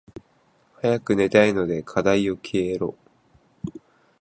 早く寝たいので課題よ消えろ。